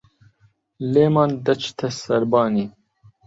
لێمان دەچتە سەربانی